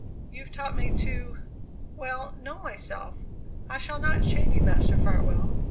You've taught me to well, know myself. I shall not shame you, Master Farwell.